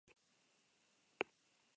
Normalean ezer da ezer gertatzen!